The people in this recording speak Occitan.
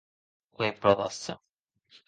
Qu’ei pro d’açò.